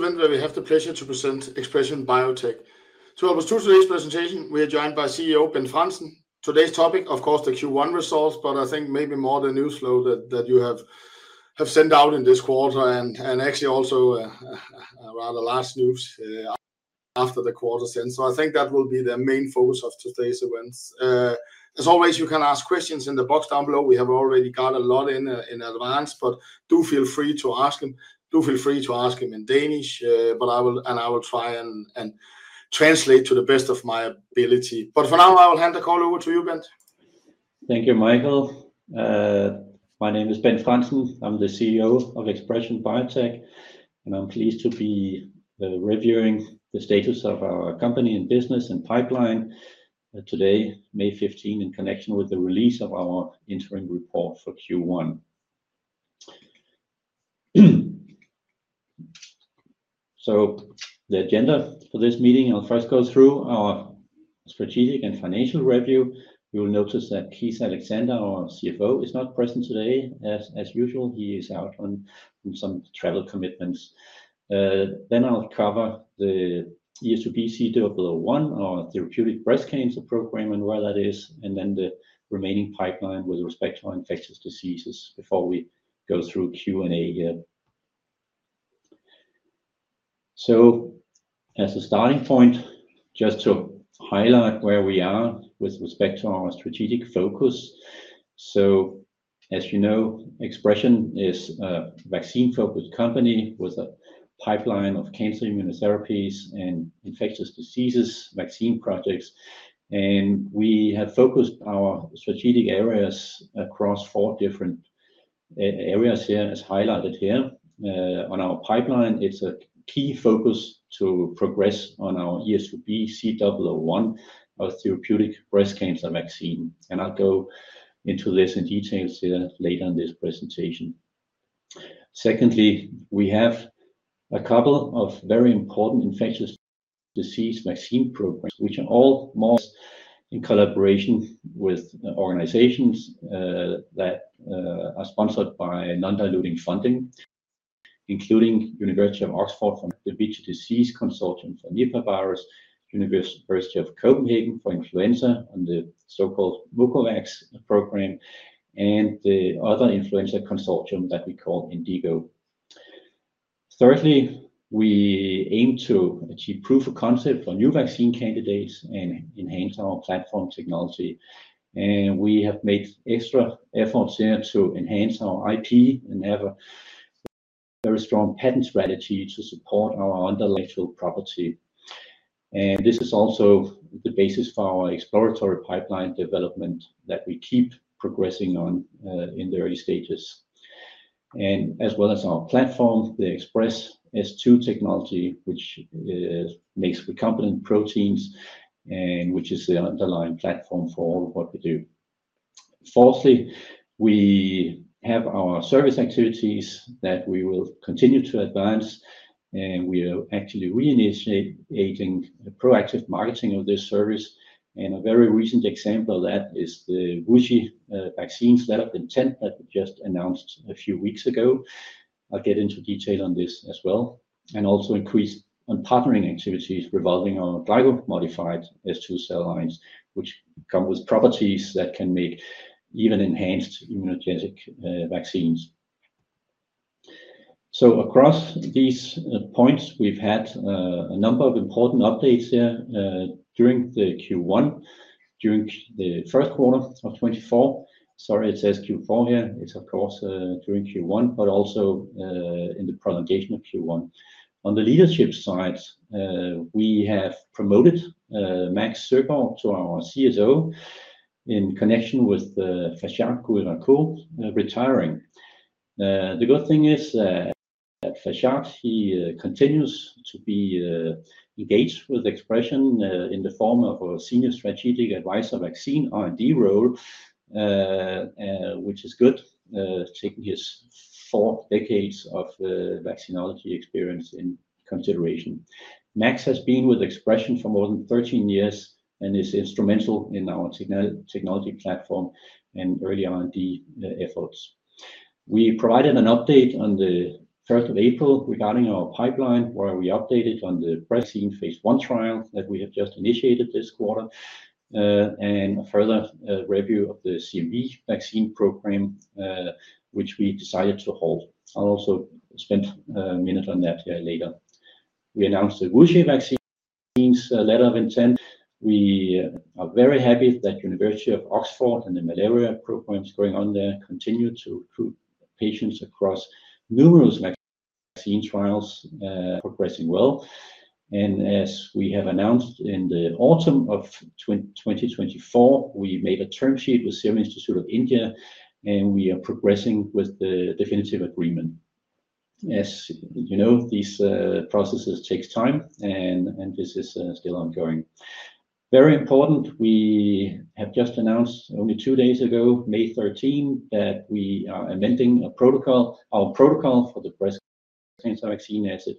Today's event where we have the pleasure to present ExpreS2ion Biotech. So it was true today's presentation, we are joined by CEO Bent Frandsen. Today's topic, of course, the Q1 results, but I think maybe more the news flow that you have sent out in this quarter and actually also rather last news after the quarter since. I think that will be the main focus of today's events. As always, you can ask questions in the box down below. We have already got a lot in advance, but do feel free to ask them. Do feel free to ask them in Danish, but I will try and translate to the best of my ability. For now, I will hand the call over to you, Bent. Thank you, Michael. My name is Bent Frandsen. I'm the CEO of ExpreS2ion Biotech, and I'm pleased to be reviewing the status of our company and business and pipeline today, May 15, in connection with the release of our interim report for Q1. The agenda for this meeting, I'll first go through our strategic and financial review. You will notice that Keith Alexander, our CFO, is not present today. As usual, he is out on some travel commitments. I will cover the ESGBC001, our therapeutic breast cancer program and where that is, and the remaining pipeline with respect to infectious diseases before we go through Q&A here. As a starting point, just to highlight where we are with respect to our strategic focus. As you know, ExpreS2ion is a vaccine-focused company with a pipeline of cancer immunotherapies and infectious diseases vaccine projects. We have focused our strategic areas across four different areas here, as highlighted here. On our pipeline, it's a key focus to progress on our ESGBC001, our therapeutic breast cancer vaccine. I'll go into this in detail later in this presentation. Secondly, we have a couple of very important infectious disease vaccine programs, which are all more in collaboration with organizations that are sponsored by non-diluting funding, including the University of Oxford for the Vigil Disease Consortium for Nipah virus, the University of Copenhagen for influenza on the so-called Mucovacs program, and the other influenza consortium that we call Indigo. Thirdly, we aim to achieve proof of concept for new vaccine candidates and enhance our platform technology. We have made extra efforts here to enhance our IP and have a very strong patent strategy to support our underlying intellectual property. This is also the basis for our exploratory pipeline development that we keep progressing on in the early stages. As well as our platform, the ExpreS2 technology, which makes recombinant proteins and which is the underlying platform for all of what we do. Fourthly, we have our service activities that we will continue to advance. We are actually reinitiating proactive marketing of this service. A very recent example of that is the WuXi Vaccines that have been sent that we just announced a few weeks ago. I'll get into detail on this as well. Also, increase on partnering activities revolving on our GlycoX-S2 cell lines, which come with properties that can make even enhanced immunogenic vaccines. Across these points, we've had a number of important updates here during the first quarter of 2024. Sorry, it says Q4 here. It's of course during Q1, but also in the prolongation of Q1. On the leadership side, we have promoted Max Serpo to our CSO in connection with Fajard Kouelakou retiring. The good thing is that Fajard, he continues to be engaged with ExpreS2ion in the form of a senior strategic advisor vaccine R&D role, which is good, taking his four decades of vaccinology experience in consideration. Max has been with ExpreS2ion for more than 13 years and is instrumental in our technology platform and early R&D efforts. We provided an update on the 3rd of April regarding our pipeline, where we updated on the vaccine phase one trial that we have just initiated this quarter, and a further review of the CMV vaccine program, which we decided to hold. I'll also spend a minute on that later. We announced the WuXi Vaccines letter of intent. We are very happy that the University of Oxford and the malaria programs going on there continue to recruit patients across numerous vaccine trials, progressing well. As we have announced in the autumn of 2024, we made a term sheet with Serum Institute of India, and we are progressing with the definitive agreement. As you know, these processes take time, and this is still ongoing. Very important, we have just announced only two days ago, May 13, that we are amending our protocol for the breast cancer vaccine asset.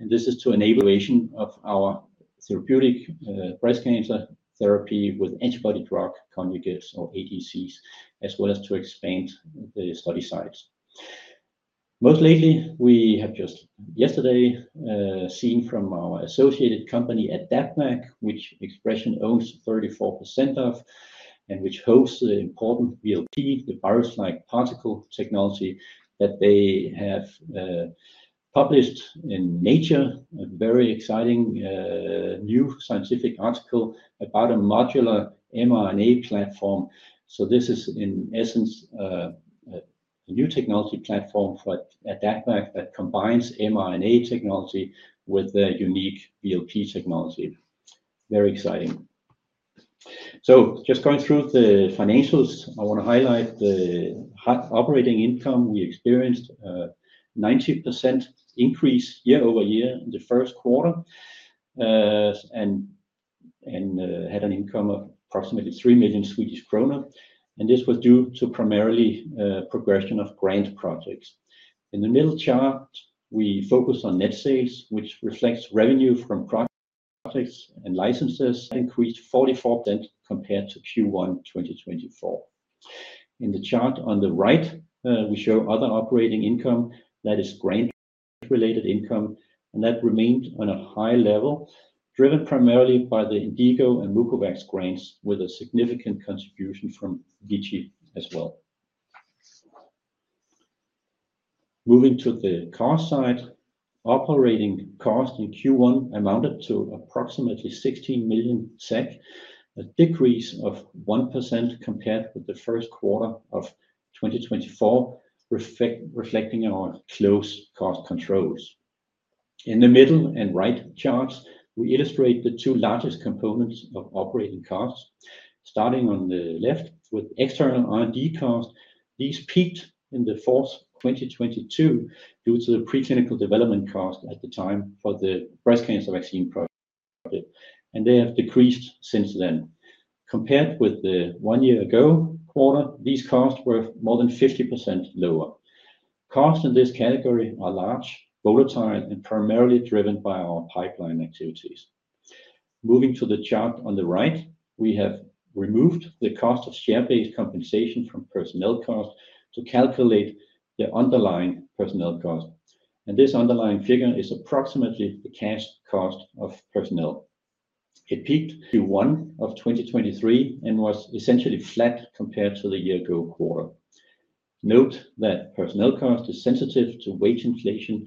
This is to enable the evaluation of our therapeutic breast cancer therapy with antibody drug conjugates, or ADCs, as well as to expand the study sites. Most lately, we have just yesterday seen from our associated company at AdaptVac ApS, which ExpreS2ion owns 34% of and which hosts the important VLP, the virus-like particle technology, that they have published in Nature, a very exciting new scientific article about a modular mRNA platform. This is in essence a new technology platform for AdaptVac ApS that combines mRNA technology with a unique VLP technology. Very exciting. Just going through the financials, I want to highlight the operating income. We experienced a 90% increase year over year in the first quarter and had an income of approximately 3 million Swedish kronor. This was due to primarily progression of grant projects. In the middle chart, we focus on net sales, which reflects revenue from projects and licenses that increased 44% compared to Q1 2024. In the chart on the right, we show other operating income that is grant-related income, and that remained on a high level, driven primarily by the Indigo and Mucovacs grants with a significant contribution from Vigil as well. Moving to the cost side, operating cost in Q1 amounted to approximately 16 million SEK, a decrease of 1% compared with the first quarter of 2024, reflecting our close cost controls. In the middle and right charts, we illustrate the two largest components of operating costs. Starting on the left with external R&D costs, these peaked in the fourth quarter of 2022 due to the preclinical development cost at the time for the breast cancer vaccine project, and they have decreased since then. Compared with the one-year-ago quarter, these costs were more than 50% lower. Costs in this category are large, volatile, and primarily driven by our pipeline activities. Moving to the chart on the right, we have removed the cost of share-based compensation from personnel cost to calculate the underlying personnel cost. This underlying figure is approximately the cash cost of personnel. It peaked in Q1 of 2023 and was essentially flat compared to the year-ago quarter. Note that personnel cost is sensitive to wage inflation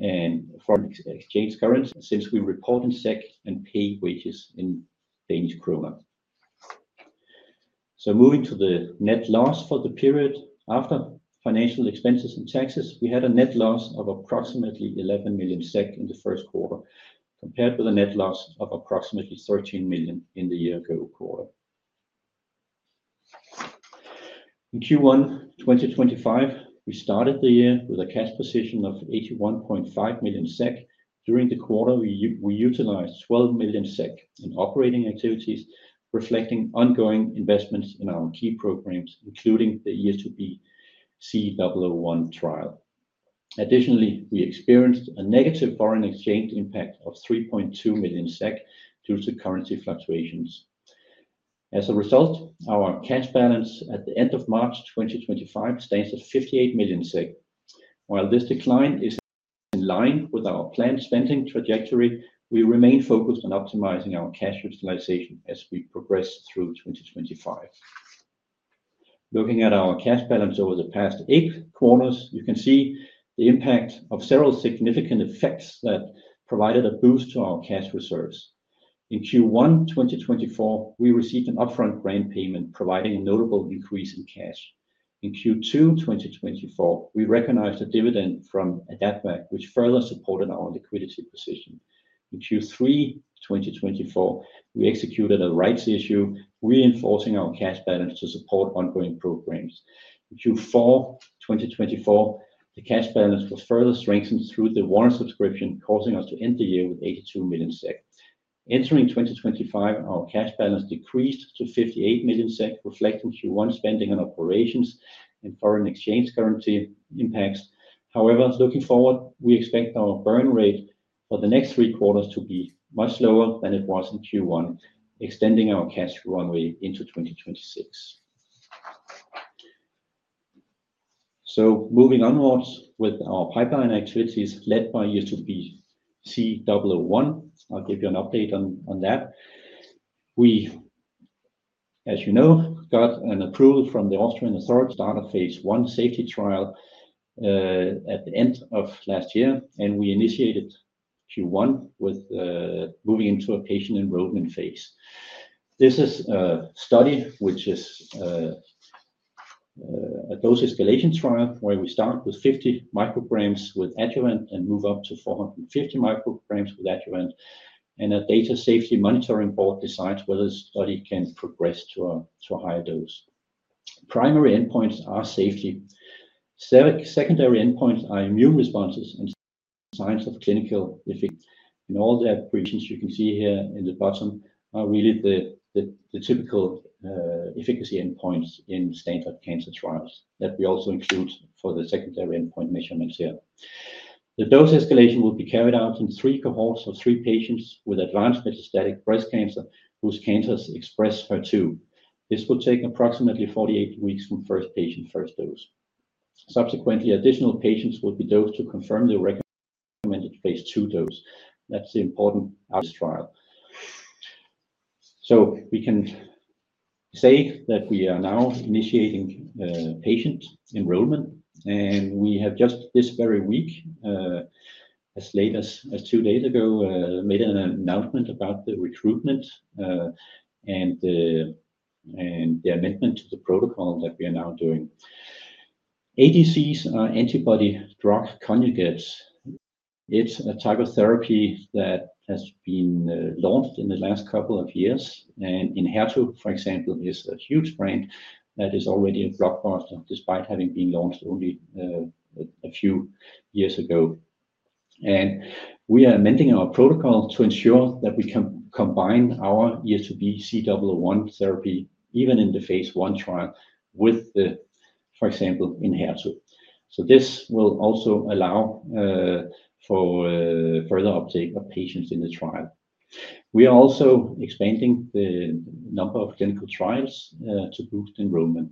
and foreign exchange currency since we report in SEK and pay wages in DKK. Moving to the net loss for the period after financial expenses and taxes, we had a net loss of approximately 11 million SEK in the first quarter compared with a net loss of approximately 13 million in the year-ago quarter. In Q1 2023, we started the year with a cash position of 81.5 million SEK. During the quarter, we utilized 12 million SEK in operating activities, reflecting ongoing investments in our key programs, including the ESGBC001 trial. Additionally, we experienced a negative foreign exchange impact of 3.2 million SEK due to currency fluctuations. As a result, our cash balance at the end of March 2025 stands at 58 million. While this decline is in line with our planned spending trajectory, we remain focused on optimizing our cash utilization as we progress through 2025. Looking at our cash balance over the past eight quarters, you can see the impact of several significant effects that provided a boost to our cash reserves. In Q1 2024, we received an upfront grant payment, providing a notable increase in cash. In Q2 2024, we recognized a dividend from DAPMAC, which further supported our liquidity position. In Q3 2024, we executed a rights issue, reinforcing our cash balance to support ongoing programs. In Q4 2024, the cash balance was further strengthened through the warrant subscription, causing us to end the year with 82 million SEK. Entering 2025, our cash balance decreased to 58 million SEK, reflecting Q1 spending on operations and foreign exchange currency impacts. However, looking forward, we expect our burn rate for the next three quarters to be much lower than it was in Q1, extending our cash runway into 2026. Moving onwards with our pipeline activities led by ESGBC001, I'll give you an update on that. We, as you know, got an approval from the Austrian Authority to start a phase I safety trial at the end of last year, and we initiated Q1 with moving into a patient enrollment phase. This is a study which is a dose escalation trial where we start with 50 micrograms with adjuvant and move up to 450 micrograms with adjuvant, and a data safety monitoring board decides whether the study can progress to a higher dose. Primary endpoints are safety. Secondary endpoints are immune responses and signs of clinical efficacy. All the operations you can see here in the bottom are really the typical efficacy endpoints in standard cancer trials that we also include for the secondary endpoint measurements here. The dose escalation will be carried out in three cohorts of three patients with advanced metastatic breast cancer whose cancers express HER2. This will take approximately 48 weeks from first patient, first dose. Subsequently, additional patients will be dosed to confirm the recommended phase two dose. That's the important part of this trial. We can say that we are now initiating patient enrollment, and we have just this very week, as late as two days ago, made an announcement about the recruitment and the amendment to the protocol that we are now doing. ADCs are antibody drug conjugates. It's a type of therapy that has been launched in the last couple of years, and Enhertu, for example, is a huge brand that is already a blockbuster despite having been launched only a few years ago. We are amending our protocol to ensure that we can combine our ESGBC001 therapy even in the phase I trial with, for example, Enhertu. This will also allow for further uptake of patients in the trial. We are also expanding the number of clinical trials to boost enrollment.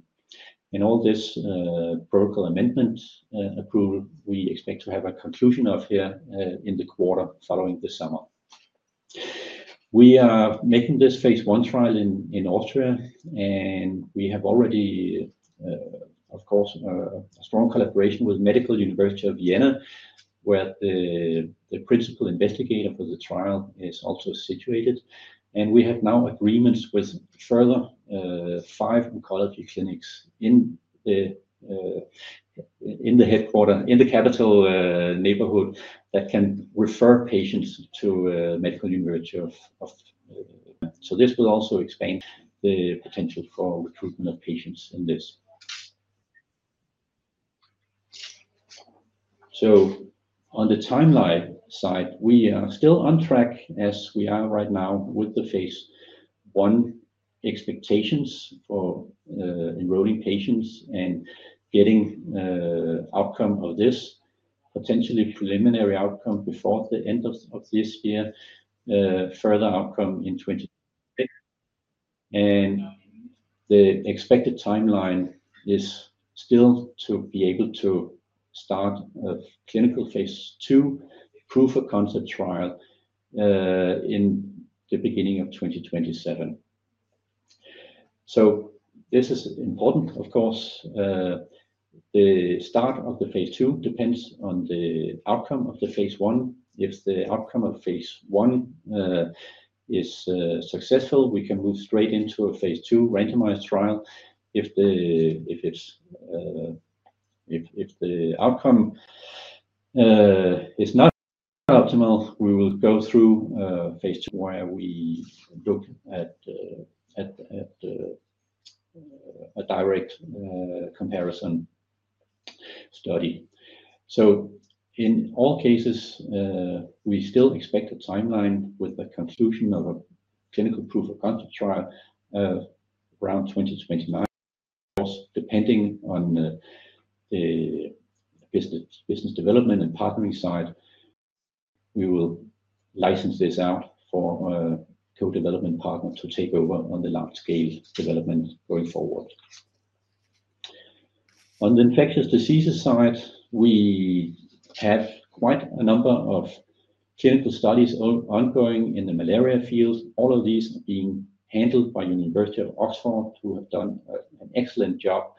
All this protocol amendment approval, we expect to have a conclusion of here in the quarter following the summer. We are making this phase I trial in Austria, and we have already, of course, a strong collaboration with Medical University of Vienna, where the principal investigator for the trial is also situated. We have now agreements with further five oncology clinics in the headquarters, in the capital neighborhood, that can refer patients to Medical University of Vienna. This will also expand the potential for recruitment of patients in this. On the timeline side, we are still on track as we are right now with the phase I expectations for enrolling patients and getting outcome of this, potentially preliminary outcome before the end of this year, further outcome in 2026. The expected timeline is still to be able to start a clinical phase two, proof of concept trial in the beginning of 2027. This is important, of course. The start of the phase two depends on the outcome of the phase one. If the outcome of phase one is successful, we can move straight into a phase two randomized trial. If the outcome is not optimal, we will go through phase two, where we look at a direct comparison study. In all cases, we still expect a timeline with the conclusion of a clinical proof of concept trial around 2029. Of course, depending on the business development and partnering side, we will license this out for a co-development partner to take over on the large-scale development going forward. On the infectious diseases side, we have quite a number of clinical studies ongoing in the malaria field. All of these are being handled by the University of Oxford, who have done an excellent job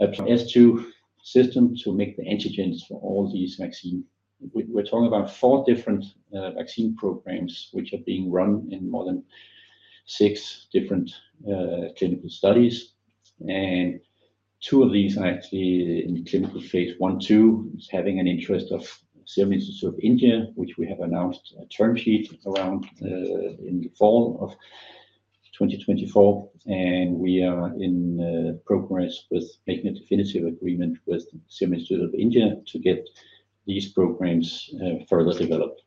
at the S2 system to make the antigens for all these vaccines. We're talking about four different vaccine programs, which are being run in more than six different clinical studies. Two of these are actually in clinical phase I/II, having an interest of Serum Institute of India, which we have announced a term sheet around in the fall of 2024. We are in progress with making a definitive agreement with Serum Institute of India to get these programs further developed.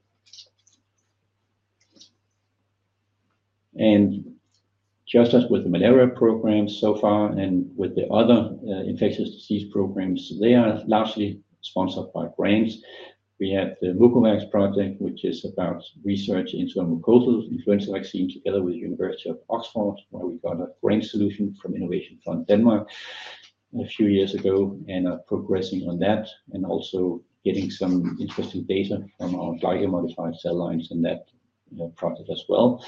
Just as with the malaria program so far and with the other infectious disease programs, they are largely sponsored by grants. We have the Mucovacs project, which is about research into a mucosal influenza vaccine together with the University of Oxford, where we got a grant solution from Innovation Fund Denmark a few years ago and are progressing on that and also getting some interesting data from our glycomodified cell lines in that project as well.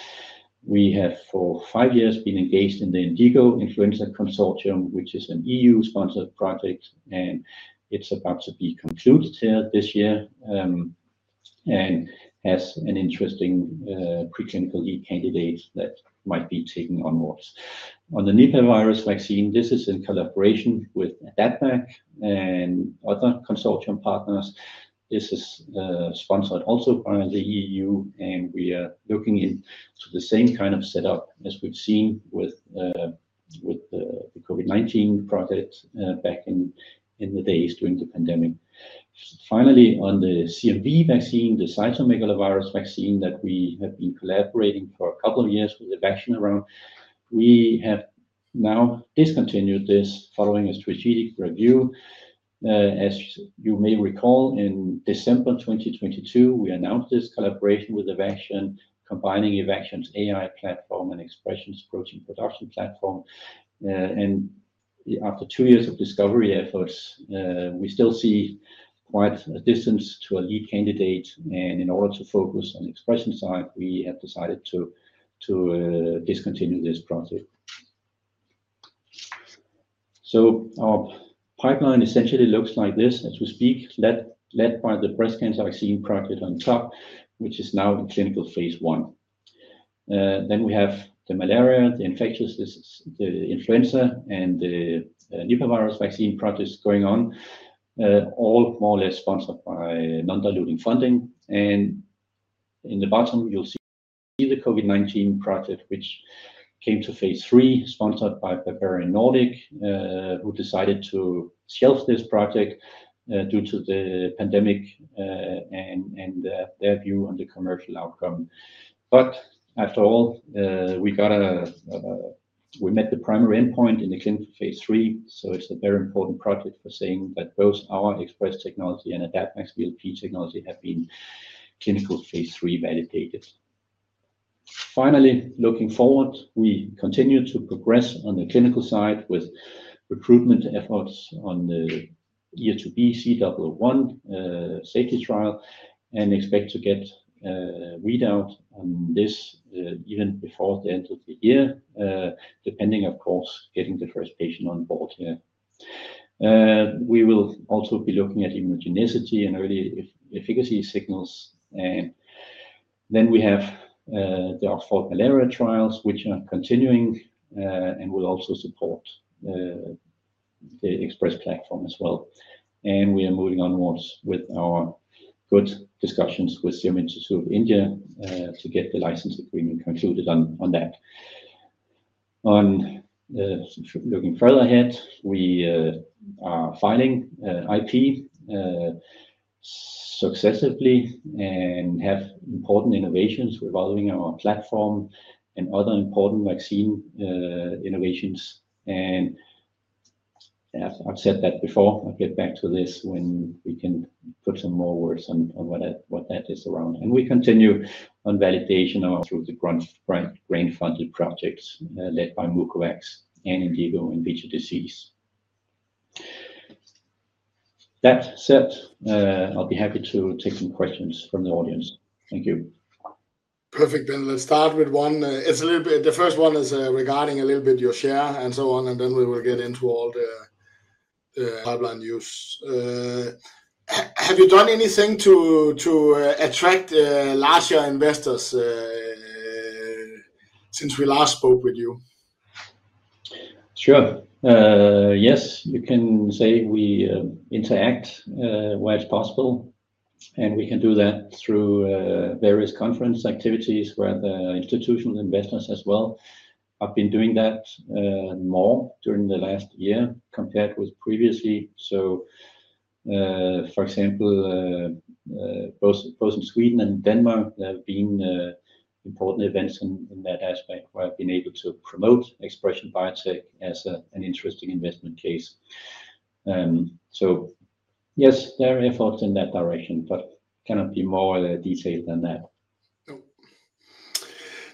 We have for five years been engaged in the Indigo Influenza Consortium, which is an EU-sponsored project, and it's about to be concluded here this year and has an interesting preclinical lead candidate that might be taking onwards. On the Nipah virus vaccine, this is in collaboration with DAPMAC and other consortium partners. This is sponsored also by the EU, and we are looking into the same kind of setup as we've seen with the COVID-19 project back in the days during the pandemic. Finally, on the CMV vaccine, the cytomegalovirus vaccine that we have been collaborating for a couple of years with Evaccin around, we have now discontinued this following a strategic review. As you may recall, in December 2022, we announced this collaboration with Evaccin, combining Evaccin's AI platform and expression protein production platform. After two years of discovery efforts, we still see quite a distance to a lead candidate. In order to focus on the expression side, we have decided to discontinue this project. Our pipeline essentially looks like this as we speak, led by the breast cancer vaccine project on top, which is now in clinical phase one. We have the malaria, the infectious disease, the influenza, and the Nipah virus vaccine project going on, all more or less sponsored by non-diluting funding. In the bottom, you'll see the COVID-19 project, which came to phase three, sponsored by Bavarian Nordic, who decided to shelf this project due to the pandemic and their view on the commercial outcome. After all, we met the primary endpoint in the clinical phase three. It is a very important project for saying that both our ExpreS2 technology and AdaptVac VLP technology have been clinical phase three validated. Finally, looking forward, we continue to progress on the clinical side with recruitment efforts on the ESGBC001 safety trial and expect to get a readout on this even before the end of the year, depending, of course, on getting the first patient on board here. We will also be looking at immunogenicity and early efficacy signals. We have the Oxford malaria trials, which are continuing and will also support the ExpreS2 platform as well. We are moving onwards with our good discussions with Serum Institute of India to get the license agreement concluded on that. Looking further ahead, we are filing IP successively and have important innovations revolving around our platform and other important vaccine innovations. I've said that before. I'll get back to this when we can put some more words on what that is around. We continue on validation through the grant funded projects led by Mucovacs and Indigo in vitro disease. That said, I'll be happy to take some questions from the audience. Thank you. Perfect. Let's start with one. The first one is regarding a little bit your share and so on, and then we will get into all the pipeline news. Have you done anything to attract larger investors since we last spoke with you? Sure. Yes, you can say we interact where it's possible, and we can do that through various conference activities where the institutional investors as well. I've been doing that more during the last year compared with previously. For example, both in Sweden and Denmark, there have been important events in that aspect where I've been able to promote ExpreS2ion Biotech as an interesting investment case. Yes, there are efforts in that direction, but cannot be more detailed than that.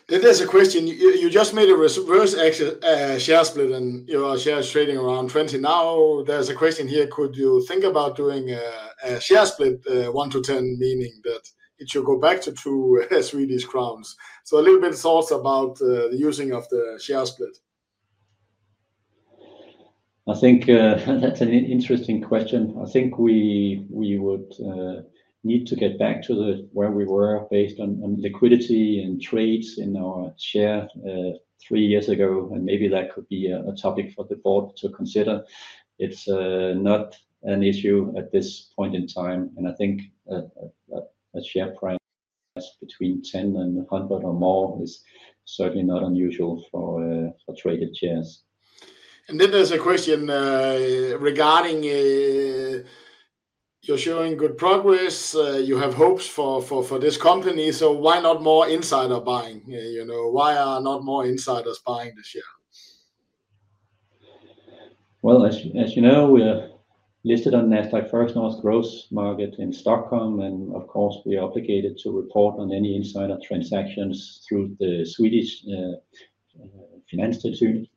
There's a question. You just made a reverse share split, and your share is trading around 20 now. There's a question here. Could you think about doing a share split 1-10, meaning that it should go back to three of these crowns? A little bit of thoughts about the using of the share split. I think that's an interesting question. I think we would need to get back to where we were based on liquidity and trades in our share three years ago, and maybe that could be a topic for the board to consider. It is not an issue at this point in time, and I think a share price between 10 and 100 or more is certainly not unusual for traded shares. There is a question regarding you are showing good progress. You have hopes for this company. Why not more insider buying? Why are not more insiders buying this year? As you know, we are listed on Nasdaq First North Growth Market in Stockholm, and of course, we are obligated to report on any insider transactions through the Swedish Financial Institute.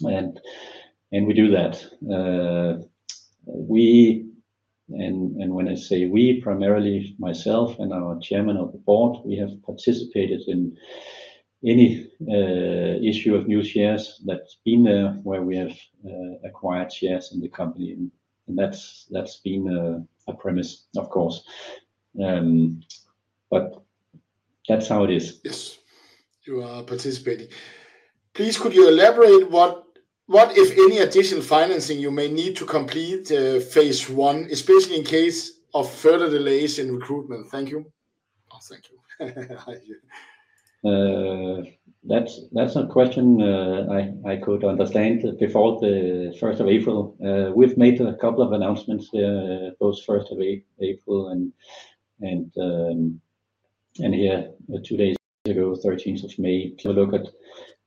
We do that. When I say we, primarily myself and our Chairman of the Board, we have participated in any issue of new shares that has been there where we have acquired shares in the company. That has been a premise, of course. That is how it is. Yes. You are participating. Please, could you elaborate what, if any, additional financing you may need to complete phase one, especially in case of further delays in recruitment? Thank you. Thank you. That is a question I could understand before the 1st of April. We have made a couple of announcements there, both 1st of April and here two days ago, 13th of May. Have a look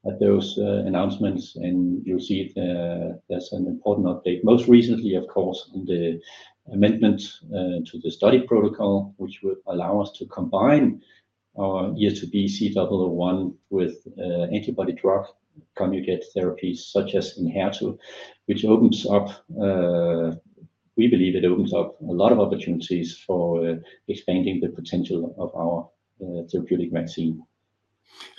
at those announcements, and you will see there is an important update. Most recently, of course, on the amendment to the study protocol, which would allow us to combine our ESGBC001 with antibody drug conjugate therapies, such as Enhertu, which opens up, we believe it opens up a lot of opportunities for expanding the potential of our therapeutic vaccine.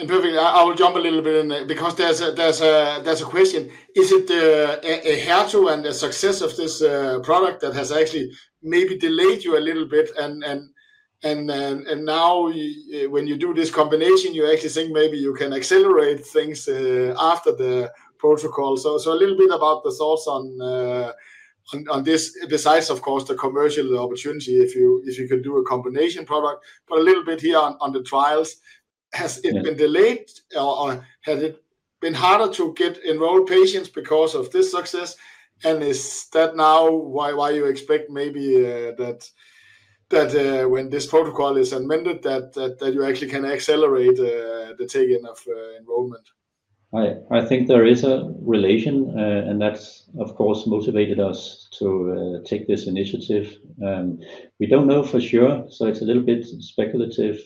Perfect. I will jump a little bit in there because there is a question. Is it Enhertu and the success of this product that has actually maybe delayed you a little bit? Now when you do this combination, you actually think maybe you can accelerate things after the protocol. A little bit about the thoughts on this, besides, of course, the commercial opportunity, if you can do a combination product. A little bit here on the trials. Has it been delayed? Has it been harder to get enrolled patients because of this success? Is that now why you expect maybe that when this protocol is amended, you actually can accelerate the take-in of enrollment? I think there is a relation, and that, of course, motivated us to take this initiative. We do not know for sure, so it is a little bit speculative.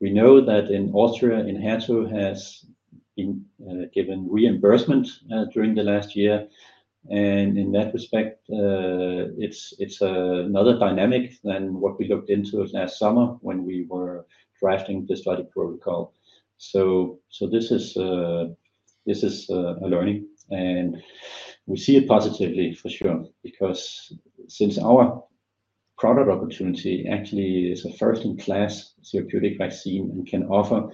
We know that in Austria, Enhertu has been given reimbursement during the last year. In that respect, it is another dynamic than what we looked into last summer when we were drafting the study protocol. This is a learning, and we see it positively for sure because since our product opportunity actually is a first-in-class therapeutic vaccine and can offer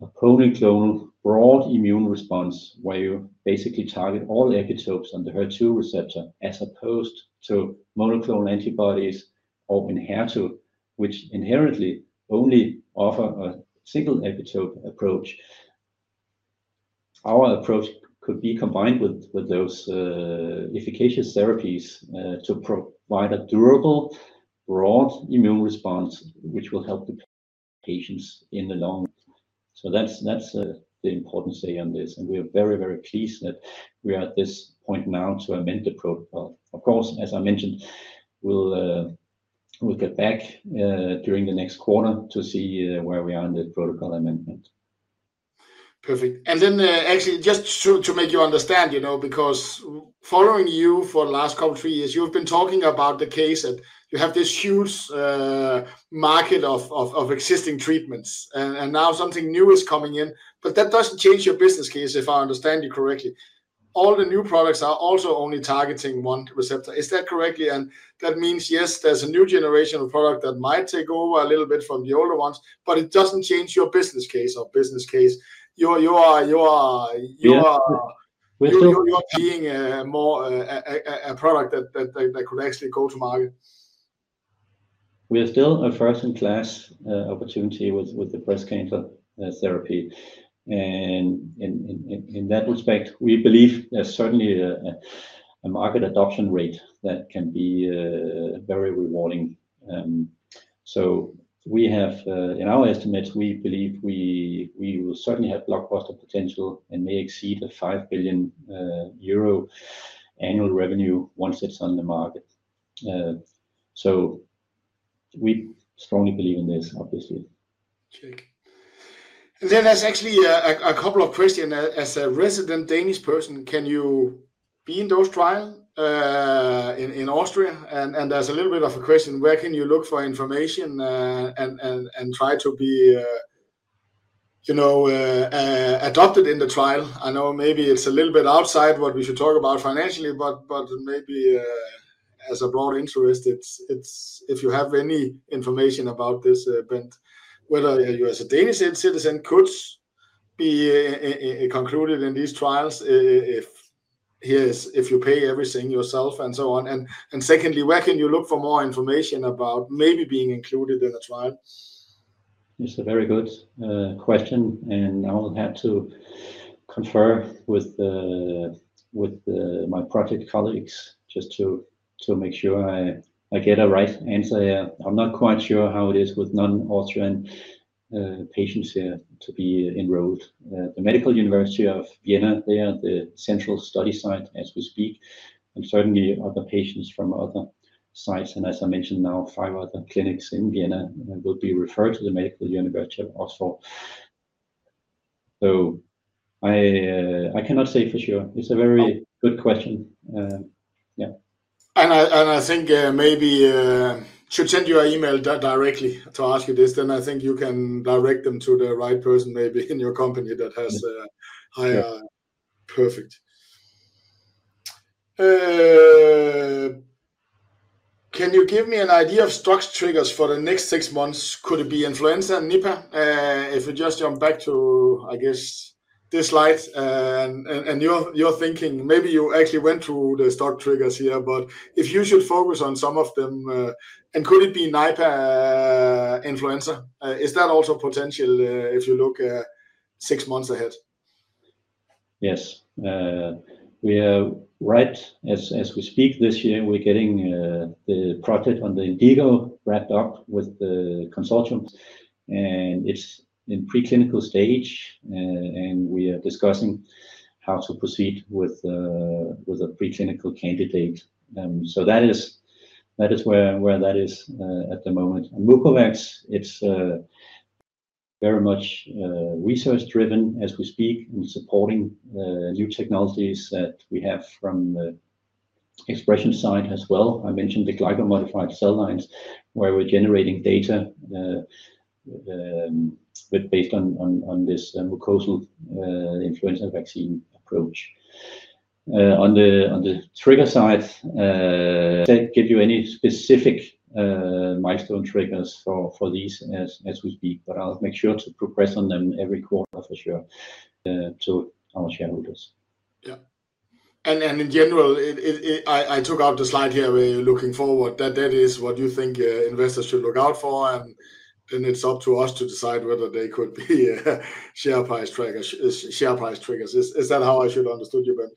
a polyclonal broad immune response where you basically target all epitopes on the HER2 receptor as opposed to monoclonal antibodies or Enhertu, which inherently only offer a single epitope approach. Our approach could be combined with those efficacious therapies to provide a durable broad immune response, which will help the patients in the long run. That is the importance here on this. We are very, very pleased that we are at this point now to amend the protocol. Of course, as I mentioned, we'll get back during the next quarter to see where we are in the protocol amendment. Perfect. Actually, just to make you understand, because following you for the last couple of three years, you've been talking about the case that you have this huge market of existing treatments, and now something new is coming in. That does not change your business case, if I understand you correctly. All the new products are also only targeting one receptor. Is that correct? That means, yes, there's a new generation of product that might take over a little bit from the older ones, but it does not change your business case or business case. You are being more a product that could actually go to market. We are still a first-in-class opportunity with the breast cancer therapy. In that respect, we believe there's certainly a market adoption rate that can be very rewarding. In our estimates, we believe we will certainly have blockbuster potential and may exceed 5 billion euro annual revenue once it's on the market. We strongly believe in this, obviously. Okay. There are actually a couple of questions. As a resident Danish person, can you be in those trials in Austria? There's a little bit of a question. Where can you look for information and try to be adopted in the trial? I know maybe it's a little bit outside what we should talk about financially, but maybe as a broad interest, if you have any information about this, whether you as a Danish citizen could be included in these trials, if you pay everything yourself and so on. Secondly, where can you look for more information about maybe being included in a trial? It's a very good question, and I will have to confer with my project colleagues just to make sure I get a right answer here. I'm not quite sure how it is with non-Austrian patients here to be enrolled. The Medical University of Vienna, they are the central study site as we speak, and certainly other patients from other sites. As I mentioned, now five other clinics in Vienna will be referred to the Medical University of Vienna. I cannot say for sure. It's a very good question. Yeah. I think maybe should send you an email directly to ask you this. I think you can direct them to the right person maybe in your company that has a higher. Perfect. Can you give me an idea of stock triggers for the next six months? Could it be influenza and Nipah? If we just jump back to, I guess, this slide, and you're thinking maybe you actually went through the stock triggers here, but if you should focus on some of them, and could it be Nipah influenza? Is that also potential if you look six months ahead? Yes. We are right as we speak this year, we're getting the project on the Indigo wrapped up with the consortium, and it's in preclinical stage, and we are discussing how to proceed with a preclinical candidate. That is where that is at the moment. Mucovacs, it's very much research-driven as we speak and supporting new technologies that we have from the ExpreS2ion side as well. I mentioned the GlycoModified S2 cell lines where we're generating data based on this mucosal influenza vaccine approach. On the trigger side, I cannot give you any specific milestone triggers for these as we speak, but I'll make sure to progress on them every quarter for sure to our shareholders. Yeah. In general, I took out the slide here where you're looking forward. That is what you think investors should look out for, and then it's up to us to decide whether they could be share price triggers. Is that how I should understand you, Bent?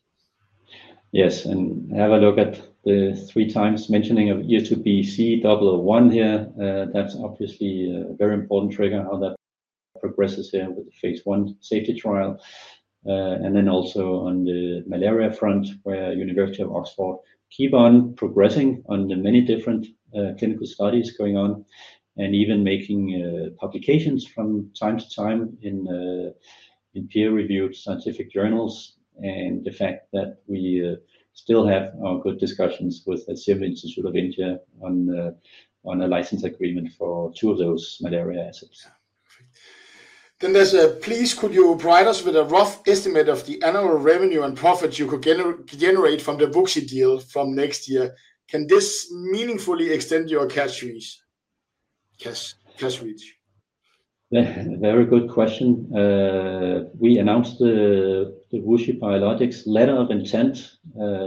Yes. Have a look at the three times mentioning of ESGBC001 here. That's obviously a very important trigger how that progresses here with the phase one safety trial. Also on the malaria front, where University of Oxford keep on progressing on the many different clinical studies going on and even making publications from time to time in peer-reviewed scientific journals. The fact that we still have our good discussions with the Serum Institute of India on a license agreement for two of those malaria assets. Please, could you provide us with a rough estimate of the annual revenue and profits you could generate from the Wuxi deal from next year? Can this meaningfully extend your cash reach? Very good question. We announced the Wuxi Biologics letter of intent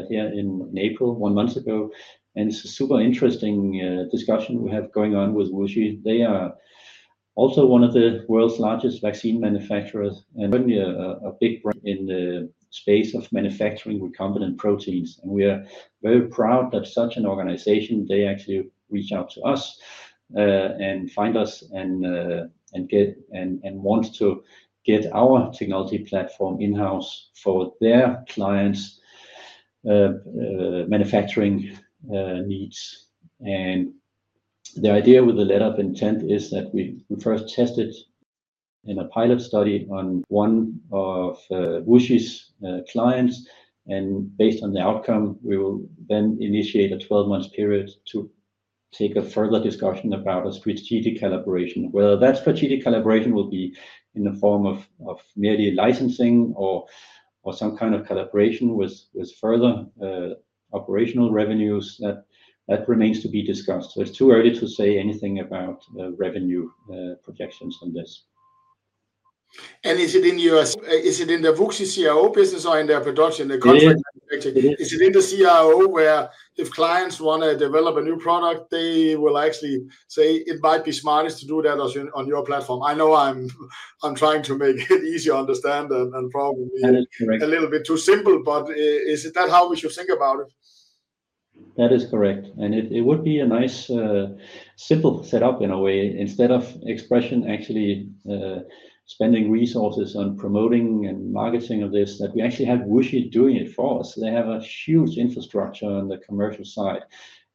here in April, one month ago. It's a super interesting discussion we have going on with Wuxi. They are also one of the world's largest vaccine manufacturers and certainly a big player in the space of manufacturing recombinant proteins. We are very proud that such an organization, they actually reach out to us and find us and want to get our technology platform in-house for their clients' manufacturing needs. The idea with the letter of intent is that we first test it in a pilot study on one of WuXi's clients. Based on the outcome, we will then initiate a 12-month period to take a further discussion about a strategic collaboration. Whether that strategic collaboration will be in the form of merely licensing or some kind of collaboration with further operational revenues, that remains to be discussed. It is too early to say anything about revenue projections on this. Is it in your... Is it in the WuXi CRO business or in their production? Is it in the CRO where if clients want to develop a new product, they will actually say, "It might be smartest to do that on your platform"? I know I'm trying to make it easier to understand and probably a little bit too simple, but is that how we should think about it? That is correct. It would be a nice simple setup in a way. Instead of ExpreS2ion actually spending resources on promoting and marketing of this, that we actually have Wuxi doing it for us. They have a huge infrastructure on the commercial side.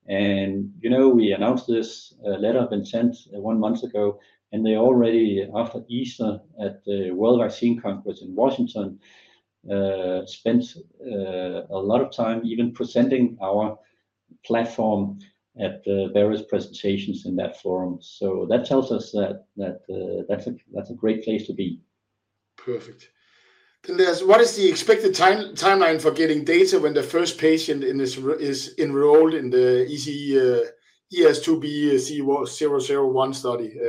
We announced this letter of intent one month ago, and they already, after Easter at the World Vaccine Conference in Washington, spent a lot of time even presenting our platform at various presentations in that forum. That tells us that that's a great place to be. Perfect. What is the expected timeline for getting data when the first patient is enrolled in the ESGBC001 study?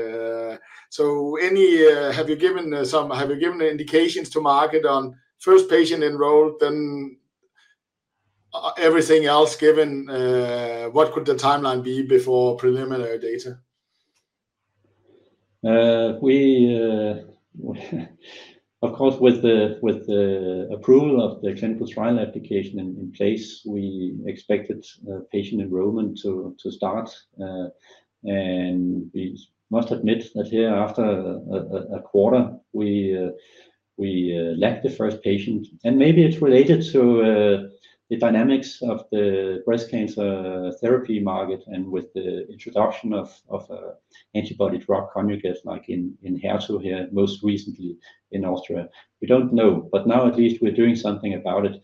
Have you given some indications to market on first patient enrolled? Everything else given, what could the timeline be before preliminary data? Of course, with the approval of the clinical trial application in place, we expected patient enrollment to start. We must admit that here after a quarter, we lacked the first patient. Maybe it's related to the dynamics of the breast cancer therapy market and with the introduction of antibody drug conjugates like Enhertu here most recently in Austria. We don't know, but now at least we're doing something about it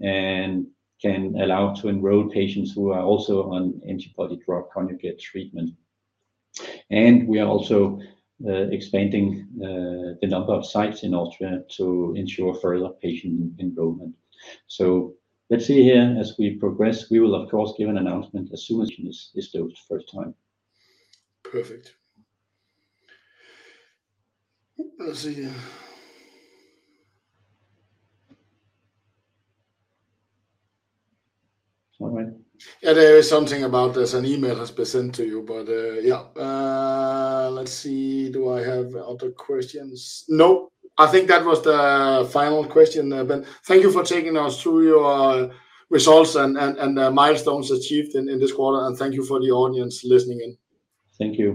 and can allow to enroll patients who are also on antibody drug conjugate treatment. We are also expanding the number of sites in Austria to ensure further patient enrollment. Let's see here as we progress. We will, of course, give an announcement as soon as this is done the first time. Perfect. Let's see. Yeah, there is something about this. An email has been sent to you, but yeah. Let's see. Do I have other questions? No, I think that was the final question, Bent. Thank you for taking us through your results and milestones achieved in this quarter. Thank you for the audience listening in. Thank you.